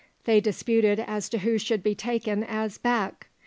They disputed as to who should be taken as "back."